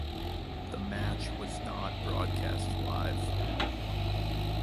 The match was not broadcast live.